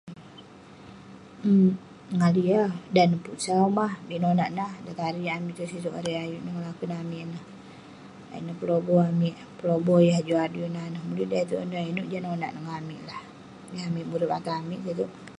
um mengalik yah. Dan neh pun sau mah, bik nonak nah. Dan tari'ik amik tuai sitouk erei, ayuk neh ngelaken amik ayuk neh pelobo, pelobo yah juk adui nanouk nah ineh. Mulik dai itouk neh, inouk nanouk neh monak amik lah. Yeng amik murip tatan amik kek itouk.